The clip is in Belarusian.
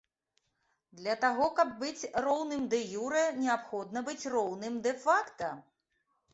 Для таго, каб быць роўным дэ-юрэ, неабходна быць роўным дэ-факта.